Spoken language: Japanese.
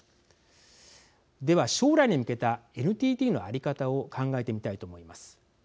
では、将来に向けたＮＴＴの在り方を考えてみたいと思います。